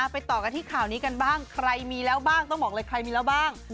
ไปต่อกันที่ข่าวนี้กันบ้างใครมีแล้วบ้างต้องบอกเลยใครมีแล้วบ้าง